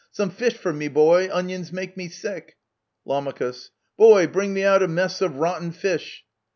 Some fish for me, boy : onions make me sick ! Lam. Boy, bring me out a mess of rotten fish